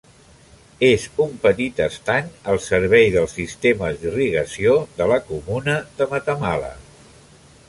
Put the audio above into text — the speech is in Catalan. És un petit estany al servei dels sistemes d'irrigació de la comuna de Matamala.